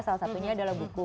salah satunya adalah buku